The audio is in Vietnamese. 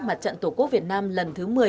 mặt trận tổ quốc việt nam lần thứ một mươi